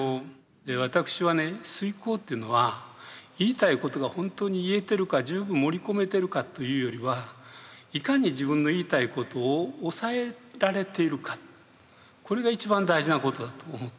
私は推こうっていうのは言いたいことが本当に言えてるか十分盛り込めてるかというよりはいかに自分の言いたいことを抑えられているかこれが一番大事なことだと思っています。